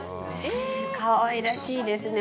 かわいらしいですね。